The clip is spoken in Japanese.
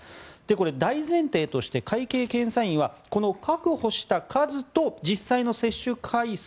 これ、大前提として会計検査院はこの確保した数と実際の接種回数